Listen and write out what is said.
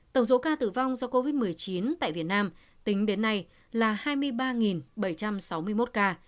tổng số ca tử vong do covid một mươi chín tại việt nam tính đến nay là hai mươi ba bảy trăm sáu mươi một ca